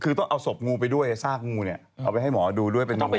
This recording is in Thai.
คือต้องเอาศพงูไปด้วยซากงูเนี่ยเอาไปให้หมอดูด้วยเป็นยังไง